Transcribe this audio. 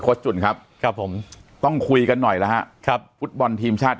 จุ่นครับครับผมต้องคุยกันหน่อยแล้วฮะครับฟุตบอลทีมชาติ